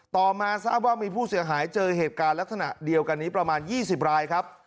ต่อมาทราบว่ามีผู้เสียหายเจอเหตุการณ์ลักษณะเดียวกันนี้ประมาณ๒๐รายครับ